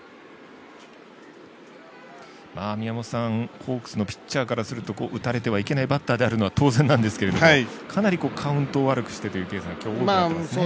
ホークスのピッチャーからすると打たれてはいけないバッターであるのは当然なんですけどもかなりカウントを悪くしてっていうのが今日多くなってますね。